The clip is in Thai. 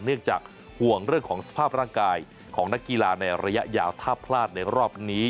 เนื่องจากห่วงเรื่องของสภาพร่างกายของนักกีฬาในระยะยาวถ้าพลาดในรอบนี้